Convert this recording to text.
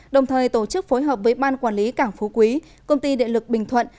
đồng thời tổ chức phối hợp với ban quản lý cảng phú quý công ty điện lực bình thuận